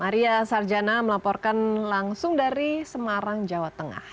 maria sarjana melaporkan langsung dari semarang jawa tengah